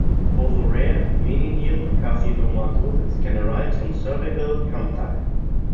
Although rare, Meningeal carcinomatosis can arise from cervical cancer.